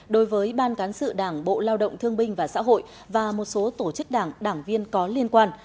đối với ban cán sự đảng bộ lao động thương binh và xã hội và một số tổ chức đảng đảng viên có liên quan